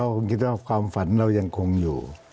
ผมคิดว่าความฝันเรายังคงอยู่